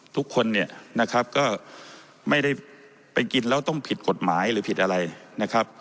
ทุกคนเนี่ยนะครับก็ไม่ได้ไปกินแล้วต้องผิดกฎหมายหรือผิดอะไรนะครับ